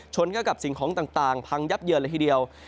ชนเกี่ยวกับสิ่งของต่างพังยับเยินละทีเดียว